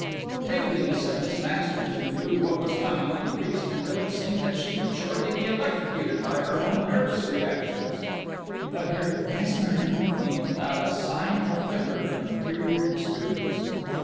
The tingliness of Miss Masters (who knew what was coming) increased until it seemed that she would shortly be electrocuted by her own nervous reactions. But her "Yes, Merlin," came without a sign or flicker of interior disturbance.